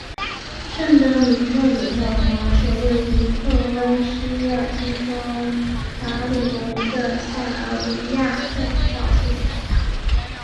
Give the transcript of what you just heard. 圣德米特里教堂是位于克罗埃西亚村庄达利的一个塞尔维亚正教会的教堂。